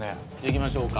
いきましょうか。